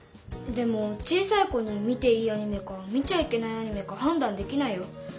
でも小さい子に見ていいアニメか見ちゃいけないアニメかはんだんできないよ。